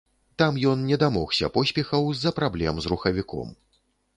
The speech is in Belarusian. Там ён не дамогся поспехаў з-за праблем з рухавіком.